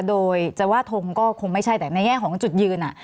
โดยจะว่าทงก็คงไม่ใช่แต่ในแง่ของจุดยืน